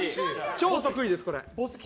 超得意です、これ。